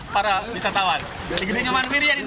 para wisatawan akan mendapat makan pagi terlebih dahulu